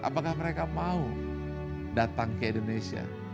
apakah mereka mau datang ke indonesia